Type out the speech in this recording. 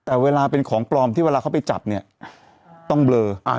แต่เวลาเป็นของปลอมที่เวลาเขาไปจับเนี่ยต้องเบลอ